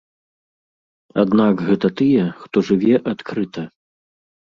Аднак гэта тыя, хто жыве адкрыта.